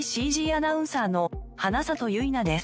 アナウンサーの花里ゆいなです。